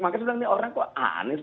makanya sudah nanya orang kok aneh sih